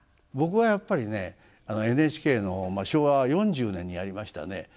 僕はやっぱりねＮＨＫの昭和４０年にやりましたね